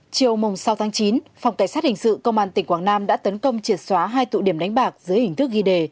chiều sáu chín phòng cảnh sát hình sự công an tỉnh quảng nam đã tấn công triệt xóa hai tụ điểm đánh bạc dưới hình thức ghi đề